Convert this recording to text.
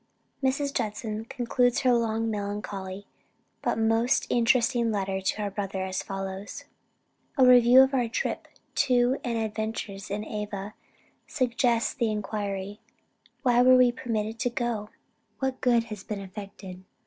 Mrs. Judson concludes her long, melancholy, but most interesting letter to her brother, as follows: "A review of our trip to and adventures in Ava, suggests the inquiry, Why were we permitted to go? What good has been effected?